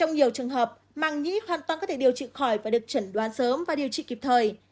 trong nhiều trường hợp màng nhĩ hoàn toàn có thể điều trị khỏi và được chẩn đoán sớm và điều trị kịp thời